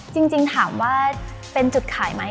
จริงถามว่าเป็นจุดขายไหม